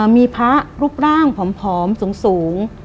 มีพระรูปร่างผอมสูง